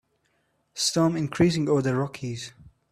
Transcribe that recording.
Storm increasing over the Rockies.